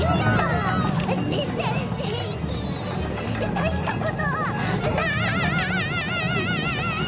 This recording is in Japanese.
たいしたことない。